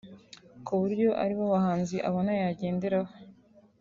ku buryo ari bo bahanzi abona yagenderaho